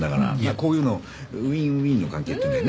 こういうのウィンウィンの関係っていうんだよね？